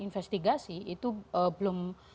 investigasi itu belum